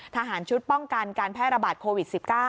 ทหารชุดป้องกันการแพร่ระบาดโควิด๑๙